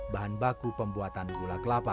bahan baku pembuatan gula kelapa